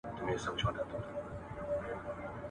• خيرات پر باچا لا روا دئ.